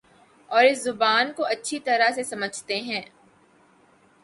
اور اس زبان کو اچھی طرح سے سمجھتے ہیں